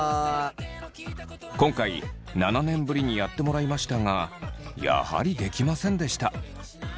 今回７年ぶりにやってもらいましたがやはりできませんでした。